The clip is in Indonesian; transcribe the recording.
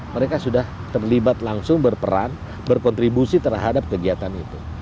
mereka sudah terlibat langsung berperan berkontribusi terhadap kegiatan itu